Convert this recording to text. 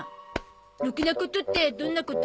ろくなことってどんなこと？